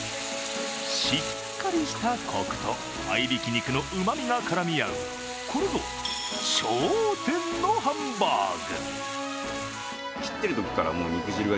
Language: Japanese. しっかりしたコクと合いびき肉のうまみが絡み合うこれぞ頂点のハンバーグ。